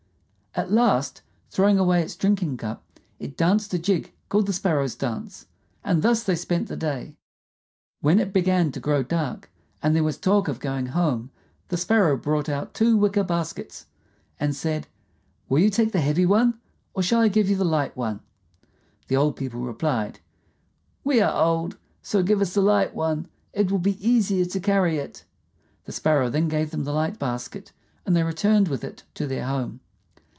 At last, throwing away its drinking cup, it danced a jig called the Sparrow's dance, and thus they spent the day. When it began to grow dark, and there was talk of going home, the Sparrow brought out two wicker baskets and said, "Will you take the heavy one, or shall I give you the light one?" The old people replied, "We are old, so give us the light one; it will be easier to carry it." The Sparrow then gave them the light basket, and they returned with it to their home.